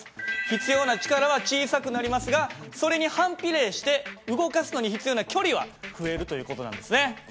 必要な力は小さくなりますがそれに反比例して動かすのに必要な距離は増えるという事なんですね。